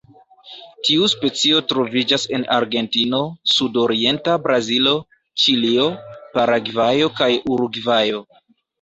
Tiu specio troviĝas en Argentino, sudorienta Brazilo, Ĉilio, Paragvajo kaj Urugvajo.